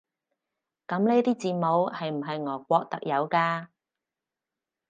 噉呢啲字母係唔係俄國特有㗎？